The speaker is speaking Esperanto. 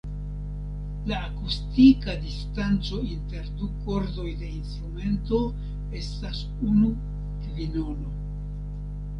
La akustika distanco inter du kordoj de instrumento estas unu kvinono.